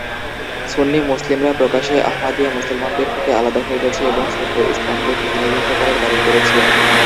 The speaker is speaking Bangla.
সুন্নি মুসলিমরা প্রকাশ্যে আহমদীয়া মুসলমানদের থেকে আলাদা হয়ে গেছে এবং সত্য ইসলামকে প্রতিনিধিত্ব করার দাবি করেছে।